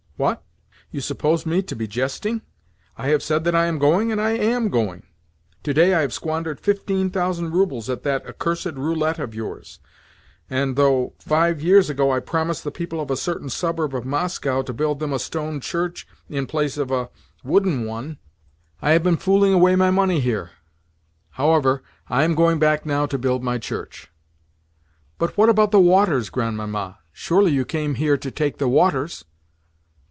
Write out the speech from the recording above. "What? You suppose me to be jesting? I have said that I am going, and I am going. Today I have squandered fifteen thousand roubles at that accursed roulette of yours, and though, five years ago, I promised the people of a certain suburb of Moscow to build them a stone church in place of a wooden one, I have been fooling away my money here! However, I am going back now to build my church." "But what about the waters, Grandmamma? Surely you came here to take the waters?"